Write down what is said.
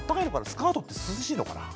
スカートって涼しいのかな。